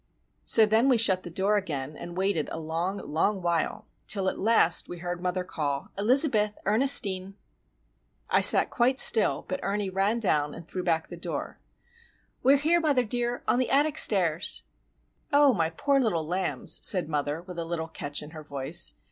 So then we shut the door again, and waited a long, long while; till, at last, we heard mother call:— "Elizabeth! Ernestine!" I sat quite still, but Ernie ran down and threw back the door:—"We are here, mother dear, on the attic stairs." "Oh, my poor lambs," said mother, with a little catch in her voice.